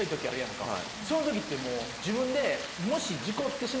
その時ってもう自分で。